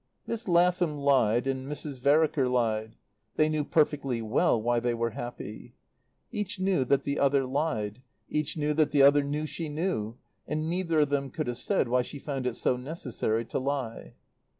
Miss Lathom lied and Mrs. Vereker lied; they knew perfectly well why they were happy. Each knew that the other lied; each knew that the other knew she knew; and neither of them could have said why she found it so necessary to lie.